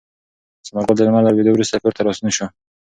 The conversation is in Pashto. ثمر ګل د لمر له لوېدو وروسته کور ته راستون شو.